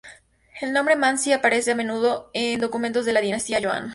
El nombre "Manzi" aparece a menudo en documentos de la dinastía Yuan.